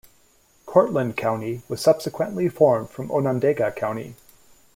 Cortland County was subsequently formed from Onondaga County.